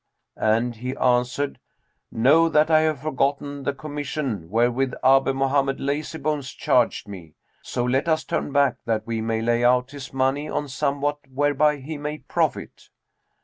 and he answered, 'Know that I have forgotten the commission wherewith Abu Mohammed Lazybones charged me; so let us turn back that we may lay out his money on somewhat whereby he may profit.'